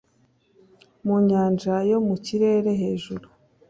mu nyanja yo mu kirere hejuru